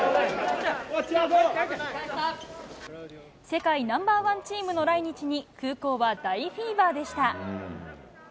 世界ナンバー１チームの来日に、空港は大フィーバーでした。